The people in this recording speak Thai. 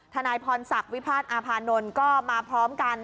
ทนายพรศักดิ์วิพาทอาพานนท์ก็มาพร้อมกัน